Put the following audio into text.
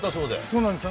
そうなんです。